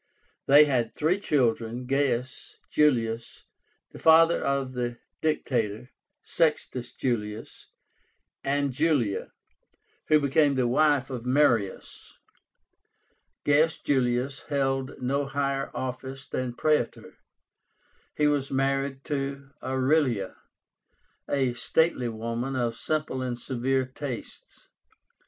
They had three children, Gaius Julius, the father of the Dictator, Sextus Julius, and Julia, who became the wife of Marius. Gaius Julius held no higher office than Praetor. He was married to Aurelia, a stately woman of simple and severe tastes.